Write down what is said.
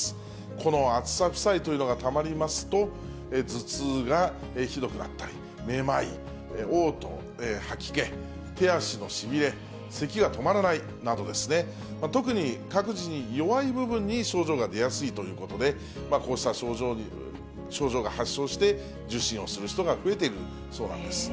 この暑さ負債というのがたまりますと、頭痛がひどくなったり、めまい、おう吐、吐き気、手足のしびれ、せきが止まらないなどですね、特に、各自の弱い部分に症状が出やすいということで、こうした症状が発症して、受診をする人が増えているそうなんです。